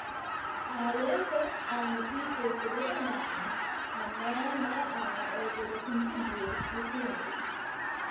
I went up on the peak of the little mountain and ran my eye over the contiguous vicinity.